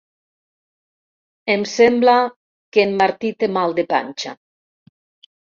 Em sembla que en Martí té mal de panxa.